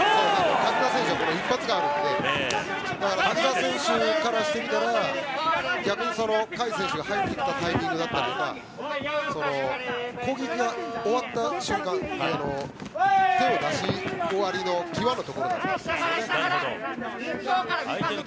瀧澤選手は一発があるので瀧澤選手からしてみたら逆に海選手が入ってきたタイミングだったりとか攻撃が終わった瞬間手を出し終わりの際のところで。